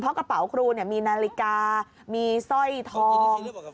เพราะกระเป๋าครูมีนาฬิกามีสร้อยทอง